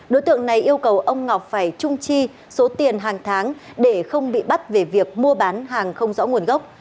đối tượng này yêu cầu ông ngọc phải trung chi số tiền hàng tháng để không bị bắt về việc mua bán hàng không rõ nguồn gốc